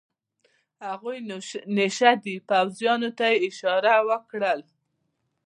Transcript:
هغوی نشه دي، پوځیانو ته یې اشاره وکړل.